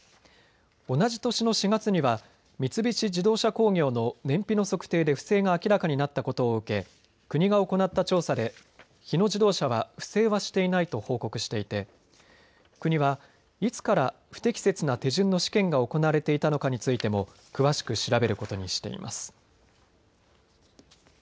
同じ年の４月には三菱自動車工業の燃費の測定で不正が明らかになったことを受け国が行った調査で日野自動車は不正はしていないと報告していて国はいつから不適切な手順の試験が行われていたのかについても詳しく調べることにしています。